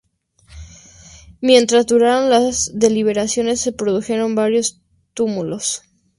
Mientras duraron las deliberaciones se produjeron varios tumultos.